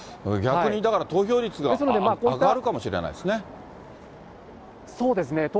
逆にだから投票率が上がるかもしれないですね。